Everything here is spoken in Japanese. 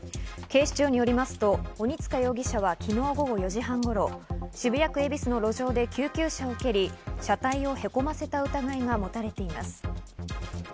警視庁によりますと鬼束容疑者は昨日午後４時半頃、渋谷区恵比寿の路上で救急車を蹴り、車体をへこませた疑いがもたれています。